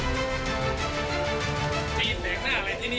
ไม้บินแสงหน้าอะไรที่นี่